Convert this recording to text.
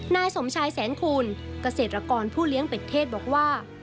นายสมชายแสนคูณเกษตรกรผู้เลี้ยงเป็ดเทศบอกว่า